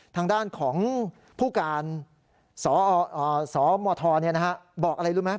ทางด้านของผู้การสมเนี่ยนะฮะบอกอะไรรู้ไหม